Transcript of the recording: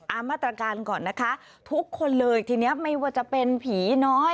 เอามาตรการก่อนนะคะทุกคนเลยทีนี้ไม่ว่าจะเป็นผีน้อย